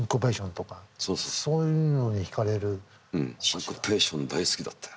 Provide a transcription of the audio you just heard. シンコペーション大好きだったよ。